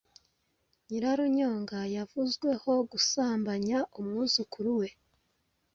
Nyirarunyonga yavuzweho gusambanya umwuzukuru we